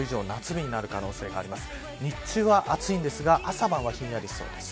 日中は暑いんですが朝晩はひんやりしそうです。